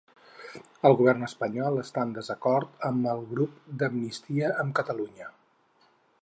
El govern espanyol està en desacord amb el grup d'amistat amb Catalunya